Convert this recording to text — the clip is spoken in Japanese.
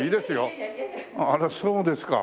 あらそうですか。